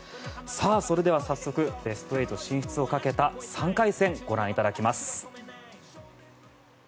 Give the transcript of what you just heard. それでは早速ベスト８進出をかけた３回戦をご覧いただきます。